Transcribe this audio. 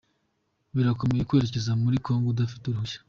birakomeye kwerecyeza muri kongo udafite uruhushya